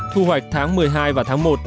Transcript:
thu hoạch tháng một mươi hai và tháng một